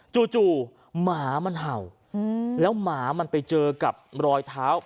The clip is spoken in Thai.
จู่หมามันเห่าแล้วหมามันไปเจอกับรอยเท้า